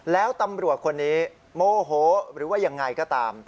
แล้วตำรวจคนนี้โมโหหรือว่ายังไงก็ตาม